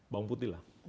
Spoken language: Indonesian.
bawang putih lah